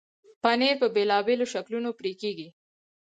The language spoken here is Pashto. پنېر په بېلابېلو شکلونو پرې کېږي.